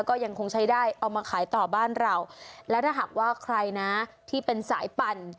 ก็ยังคงใช้ได้เอามาขายต่อบ้านเราและถ้าหากว่าใครนะที่เป็นสายปั่น